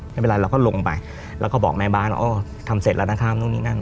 ไม่เป็นไรเราก็ลงไปแล้วก็บอกแม่บ้านว่าอ๋อทำเสร็จแล้วนะคะนู่นนี่นั่น